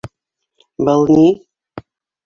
Был ни?